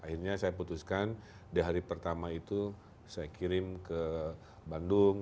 akhirnya saya putuskan di hari pertama itu saya kirim ke bandung